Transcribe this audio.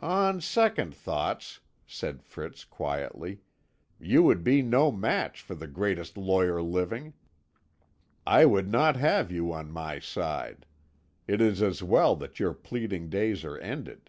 "On second thoughts," said Fritz quietly, "you would be no match for the greatest lawyer living. I would not have you on my side. It is as well that your pleading days are ended."